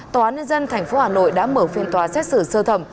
tòa án nhân dân tp hà nội đã mở phiên tòa xét xử sơ thẩm